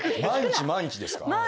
毎日毎日ですか？